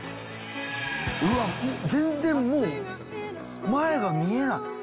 うわ全然もう前が見えない。